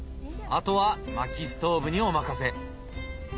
あとはまきストーブにお任せ。